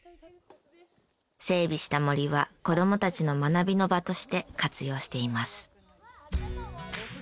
整備した森は子供たちの学びの場として活用しています。